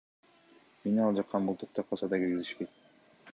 Мени ал жакка мылтык такаса да киргизишпейт.